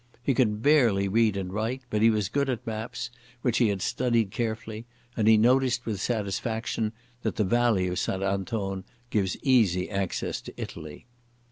He could barely read and write, but he was good at maps, which he had studied carefully, and he noticed with satisfaction that the valley of St Anton gave easy access to Italy.